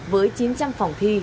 với chín trăm linh phòng thi